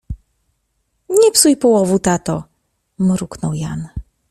— Nie psuj połowu, tato! — mruknął Jan.